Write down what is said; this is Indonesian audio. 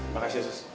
makasih ya sus